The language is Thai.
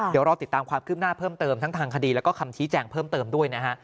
เดี๋ยวรอติดตามความคืบหน้าเพิ่มเติมทั้งทางคดีแล้วก็คำชี้แจงเพิ่มเติมด้วยนะฮะ